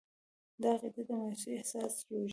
دا عقیده د مایوسي احساس رژوي.